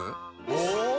お！